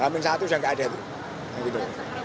hampir satu sudah tidak ada